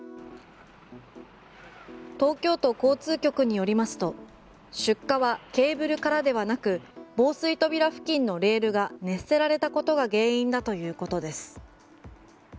東京都交通局によりますと出火はケーブルからではなく防水扉付近のレールが熱せられたことが原因だということです。